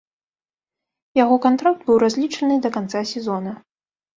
Яго кантракт быў разлічаны да канца сезона.